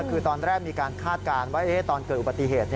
คือตอนแรกมีการคาดการณ์ว่าตอนเกิดอุบัติเหตุ